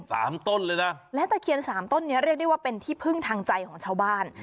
ต้นเลยนะและตะเคียนสามต้นเนี้ยเรียกได้ว่าเป็นที่พึ่งทางใจของชาวบ้าน